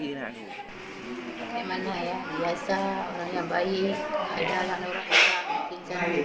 bagaimana ya biasa orang yang baik ada lah orang orang yang bisa bikin ini